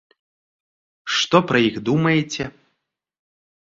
Што пра іх думаеце?